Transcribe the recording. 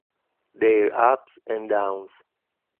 Their Ups and Downs